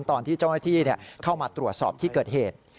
ตอนที่เจ้าหน้าที่เข้ามาตรวจสอบที่เกิดเหตุ